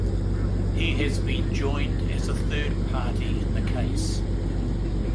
He has been joined as a third party in the case.